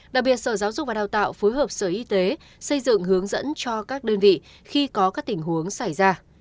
đặc biệt sở giáo dục và đào tạo phối hợp sở y tế xây dựng hướng dẫn cho các đơn vị khi có các tình huống xảy ra